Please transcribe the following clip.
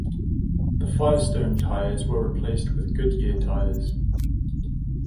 The Firestone tires were replaced with Goodyear tires.